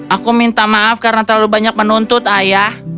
aku minta maaf karena terlalu banyak menuntut ayah